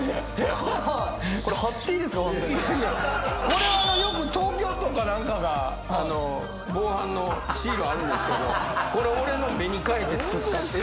これはよく東京都か何かが防犯のシールあるんですけどこれ俺の目に変えて作ったって。